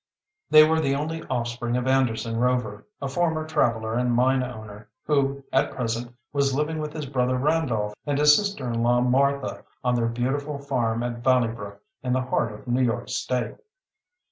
They were the only offspring of Anderson Rover, a former traveler and mine owner, who, at present, was living with his brother Randolph and his sister in law Martha, on their beautiful farm at Valley Brook, in the heart of New York State.